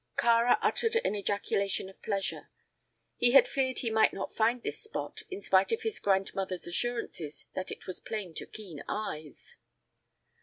Kāra uttered an ejaculation of pleasure. He had feared he might not find this spot, in spite of his grandmother's assurances that it was plain to keen eyes.